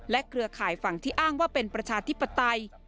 เครือข่ายฝั่งที่อ้างว่าเป็นประชาธิปไตย